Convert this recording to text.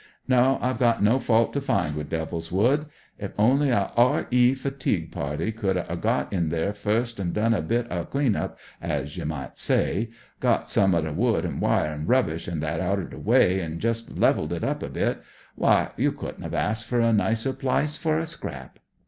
"No, IVe got no fault to find with DevU's Wood. If only a R.E. fatigue party could er got in there first an' done a bit uv a clean up, as ye might say; got some uv the wood an* wire an* rubbish an* that outer the wy, an* jest levelled it up er bit— wy, you couldn't *ve asked fer a nicer pHce fer a scrap.